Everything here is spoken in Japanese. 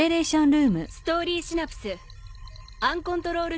ストーリーシナプスアンコントロール